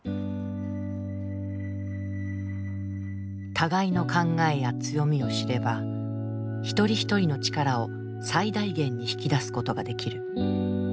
互いの考えや強みを知れば一人一人の力を最大限に引き出すことができる。